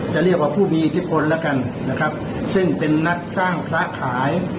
จะเรียกว่าผู้มีที่พนแล้วกันซึ่งเป็นนักสร้างคราขาย